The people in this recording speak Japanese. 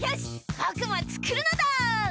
ぼくもつくるのだ！